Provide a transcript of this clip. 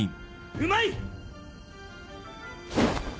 うまい！